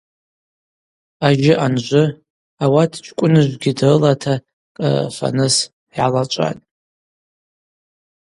Ажьы анжвы, ауат Чкӏвыныжвгьи дрылата кӏара рфарныс йгӏалачӏватӏ.